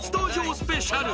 スペシャル